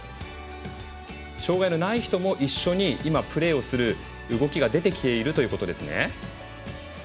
障がいのない人も今、一緒にプレーをする動きが出てきているということですね。